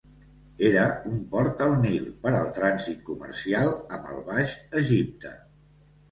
Era un port al Nil per al trànsit comercial amb el Baix Egipte.